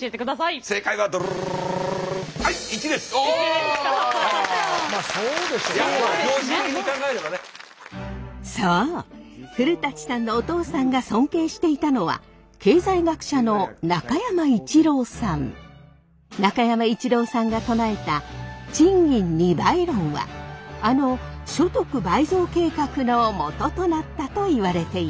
そう古さんのお父さんが尊敬していたのは中山伊知郎さんが唱えた賃金二倍論はあの所得倍増計画のもととなったといわれています。